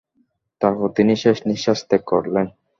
তারপর তিনি শেষ নিঃশ্বাস ত্যাগ করলেন।